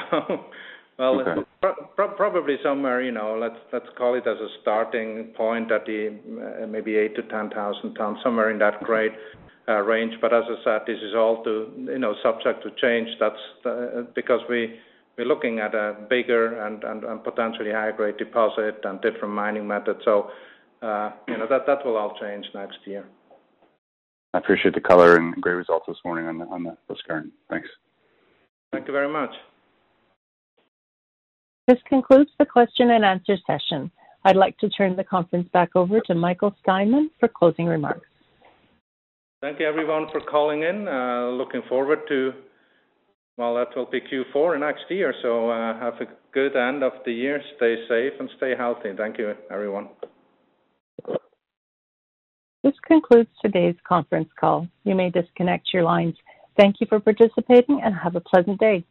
Okay. Well, probably somewhere, you know, let's call it as a starting point at maybe 8,000-10,000 tons, somewhere in that grade range. As I said, this is all too, you know, subject to change. That's because we're looking at a bigger and potentially higher grade deposit and differ ent mining methods. You know, that will all change next year. I appreciate the color and great results this morning on the skarn. Thanks. Thank you very much. This concludes the question and answer session. I'd like to turn the conference back over to Michael Steinmann for closing remarks. Thank you everyone for calling in. Looking forward to, well, that will be Q4 and next year. Have a good end of the year. Stay safe and stay healthy. Thank you, everyone. This concludes today's conference call. You may disconnect your lines. Thank you for participating and have a pleasant day.